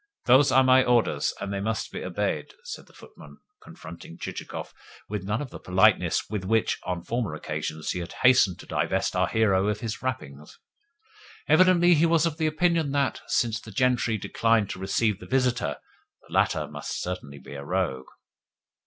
"Those are my orders, and they must be obeyed," said the footman, confronting Chichikov with none of that politeness with which, on former occasions, he had hastened to divest our hero of his wrappings. Evidently he was of opinion that, since the gentry declined to receive the visitor, the latter must certainly be a rogue.